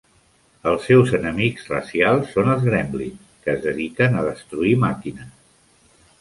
Els seus enemics racials són els Gremlins, que es dediquen a destruir màquines.